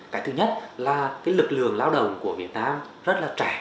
cái thứ nhất là lực lượng lao động của việt nam rất trẻ